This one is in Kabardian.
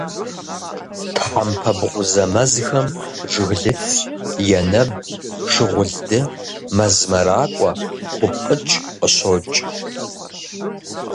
Тхьэмпэ бгъузэ мэзхэм жыглыц, енэб, шыгъулды, мэз мэракӀуэ, купкъыкӀ къыщокӀ.